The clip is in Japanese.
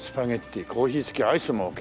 「コーヒー付アイスもＯＫ！